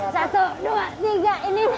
satu dua tiga